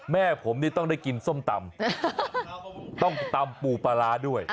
แม่ผมนี่ต้องได้กินส้มตำต้องตำปูปลาร้าด้วย